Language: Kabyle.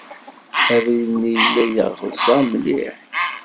Abrid-nni yella yeɣza mliḥ.